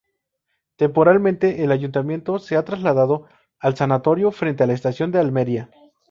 Temporalmente, el Ayuntamiento se ha trasladado al sanatorio, frente a la Estación de Almería.